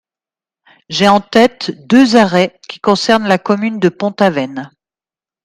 J’ai en tête deux arrêts qui concernent la commune de Pont-Aven.